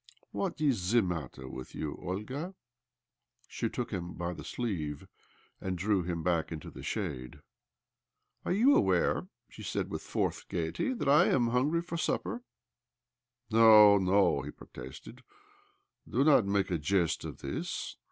What is the matter with you, Olga?" She took him by the sleeve and drew him back into the shade. " Are you aware," she said with forced gaiety, "that I am hungry for supper?" " No, no," he protested. " Do not make a jest of this."